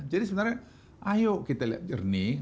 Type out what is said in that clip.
jadi sebenarnya ayo kita lihat jernih